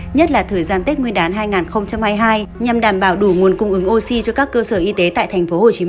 nhất là thời gian tết nguyên đán hai nghìn hai mươi hai nhằm đảm bảo đủ nguồn cung ứng oxy cho các cơ sở y tế tại tp hcm